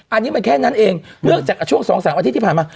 อันนี้มันแค่นั้นเองเนื่องจากช่วง๒๓อาทิตย์ที่ผ่านมา